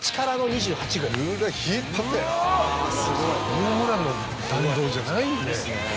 ホームランの弾道じゃないね。